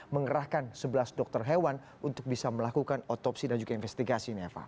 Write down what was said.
mengerahkan sebelas dokter hewan untuk bisa melakukan otopsi dan juga investigasi ini eva